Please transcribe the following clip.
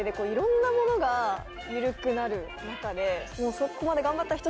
そこまで。